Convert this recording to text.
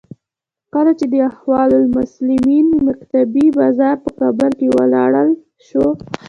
کله چې د اخوان المسلمین مکتبې بازار په کابل کې ولړل شو.